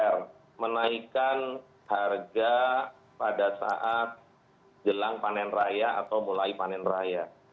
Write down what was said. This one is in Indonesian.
mereka menaikkan harga pada saat jelang panen raya atau mulai panen raya